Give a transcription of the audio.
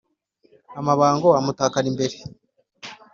amabango amutakara imbere